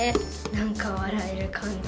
何か笑える感じ。